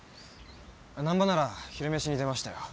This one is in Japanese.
難破なら昼飯に出ましたよ。